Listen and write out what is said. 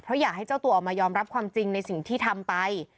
เพราะอยากให้เจ้าตัวออกมายอมรับความจริงในสิ่งที่ทำไป